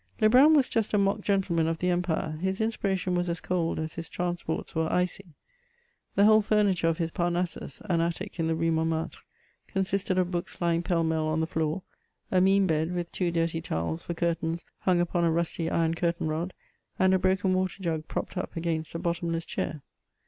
Lebrun was just a mock gentleman of the empire; his inspiration was as cold as his transports were icy. The whole furniture of his Parnassus — an attic in the Rue Mont martre, consisted of books lying pell mell on the floor, a mean bed, with two dirty towels for curtains hung upon a rusty iron curtain rod, and a broken water jug propped up {gainst a bottomless chair.